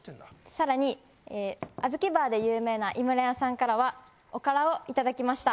更にあずきバーで有名な井村屋さんからはおからをいただきました。